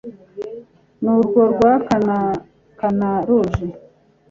Nurwo rwakanakana ruje